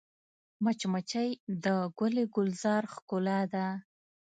مچمچۍ د ګل ګلزار ښکلا ده